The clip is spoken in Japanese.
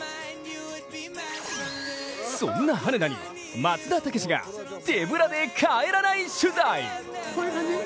そんな羽根田に松田丈志が手ぶらで帰らない取材。